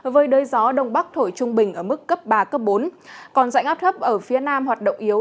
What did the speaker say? với đới gió đông bắc thổi trung bình ở mức cấp ba bốn còn dạnh áp thấp ở phía nam hoạt động yếu